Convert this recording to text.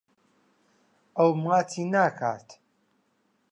ئەو ماچی ناکات.